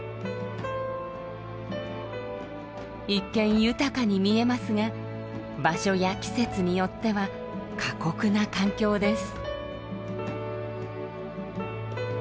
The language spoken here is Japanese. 一見豊かに見えますが場所や季節によっては過酷な環境です。